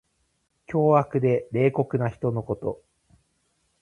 凶悪で冷酷な人のこと。